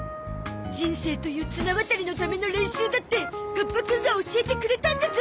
人生という綱渡りのための練習だってカッパくんが教えてくれたんだゾ！